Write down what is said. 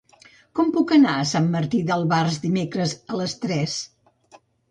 Com puc anar a Sant Martí d'Albars dimecres a les tres?